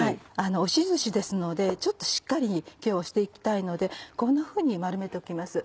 押しずしですのでちょっとしっかり今日は押していきたいのでこんなふうに丸めておきます。